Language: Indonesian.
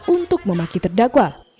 untuk memakai terdakwa